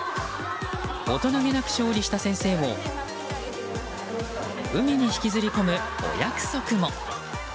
大人げなく勝利した先生を海に引きずり込むお約束も。